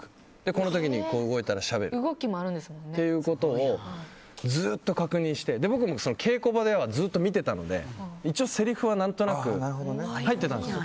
この時にこう動いたらしゃべるってことをずっと確認して僕も稽古場ではずっと見ていたので一応せりふは何となく入っていたんですよ。